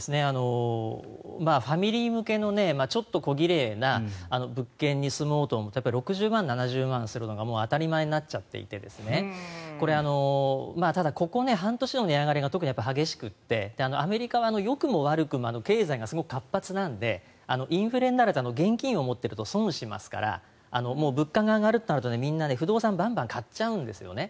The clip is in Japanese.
ファミリー向けのちょっと小奇麗な物件に住もうと思うと６０万、７０万するのが当たり前になっちゃっていてただ、ここ半年の値上がりが特に激しくてアメリカはよくも悪くも経済がすごく活発なのでインフレになると現金を持っていると損をしますから物価が上がるとなるとみんな不動産をバンバン買っちゃうんですよね。